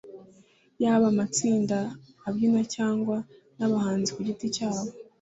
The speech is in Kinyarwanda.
yaba amatsinda abyina cyangwa n’abahanzi ku giti cyabo